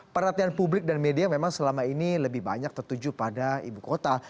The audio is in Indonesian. perhatian publik dan media memang selama ini lebih banyak tertuju pada ibu kota